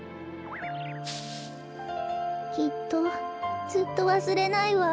きっとずっとわすれないわ。